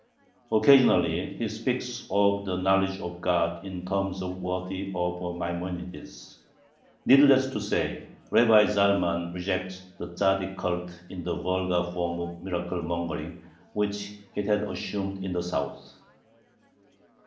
Occasionally he speaks of the knowledge of God in terms worthy of a Maimonides. Needless to say, Rabbi Zalman rejects the Tzaddik cult in the vulgar form of miracle mongering, which it had assumed in the South.